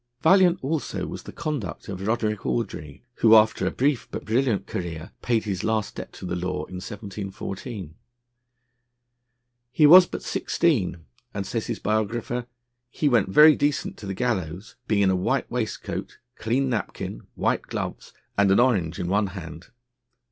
Valiant also was the conduct of Roderick Audrey, who after a brief but brilliant career paid his last debt to the law in 1714. He was but sixteen, and, says his biographer, 'he went very decent to the gallows, being in a white waistcoat, clean napkin, white gloves, and an orange in one hand.'